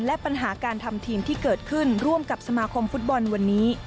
และปัญหาการทำทีมที่เกิดขึ้นร่วมกับสมาคมฟุตบอลวันนี้